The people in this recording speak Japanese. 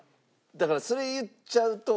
だからそれを言っちゃうと。